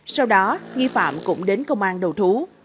sau đó nghi phạm cũng đến công an đầu thú